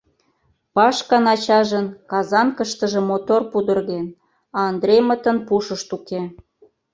Пашкан ачажын «Казанкыштыже» мотор пудырген, а Андреймытын пушышт уке.